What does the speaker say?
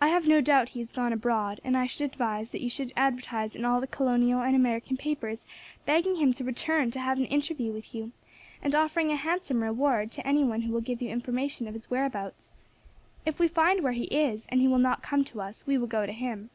I have no doubt he has gone abroad, and I should advise that you should advertise in all the Colonial and American papers begging him to return to have an interview with you, and offering a handsome reward to any one who will give you information of his whereabouts. If we find where he is, and he will not come to us, we will go to him."